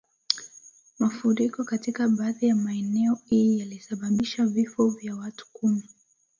Mafuriko katika baadhi ya maeneo Hii yalisababisha vifo vya watu kumi